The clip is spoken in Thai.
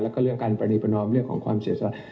แล้วก็เรื่องการปรณีประนอมเรื่องของความเสียสัตว